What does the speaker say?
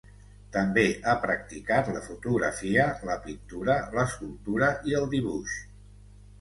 També ha practicat la fotografia, la pintura, l'escultura i el dibuix.